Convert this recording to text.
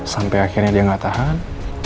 sampai akhirnya dia nggak tahan